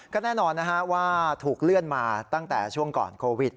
ก็แน่นอนว่าถูกเลื่อนมาตั้งแต่ช่วงก่อนโควิด